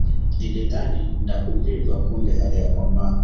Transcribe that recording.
Nalidhani ndakuviva kumbe haliyakomaa